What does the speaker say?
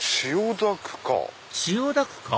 『千代田区歌』。